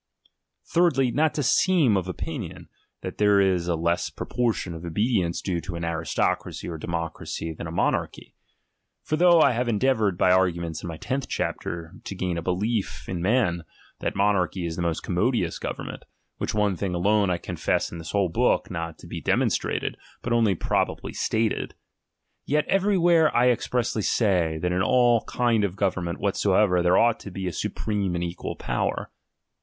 Thirdly, not to seem of opinion, that there is a less proportion of obedience due to an aristocracy or democracy than a monarchy. For though I have endeavoured, by arguments in my tenth chapter, to gain a belief in me:i, that monarchy is the most commodious government ; which one thing alone I confess in this whole book not to be demonstrated, but only probably stated ; yet every where I expressly say, that in all kind of government whatsoever there ought to be a supreme and equal power.